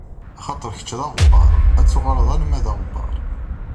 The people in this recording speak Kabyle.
Axaṭer, kečč d aɣebbaṛ, ad tuɣaleḍ alamma d aɣebbaṛ.